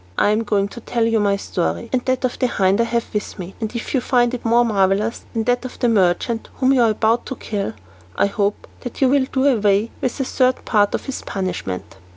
I am going to tell you my story and that of the hind I have with me, and if you find it more marvellous than that of the merchant whom you are about to kill, I hope that you will do away with a third part of his punishment?"